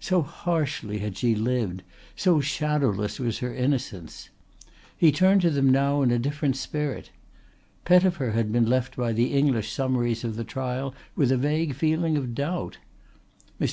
So harshly had she lived; so shadowless was her innocence. He turned to them now in a different spirit. Pettifer had been left by the English summaries of the trial with a vague feeling of doubt. Mr.